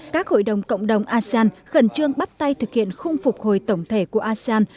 các hội đồng cộng đồng asean khẩn trương bắt tay thực hiện khung phục hồi tổng thể của asean